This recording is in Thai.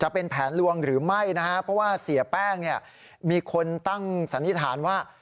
เพราะว่าเสียแป้งมีคนตั้งสันนิษฐานว่า